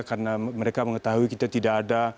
karena mereka mengetahui kita tidak ada